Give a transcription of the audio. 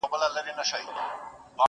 د خپل بابا پر مېنه چلوي د مرګ باړونه٫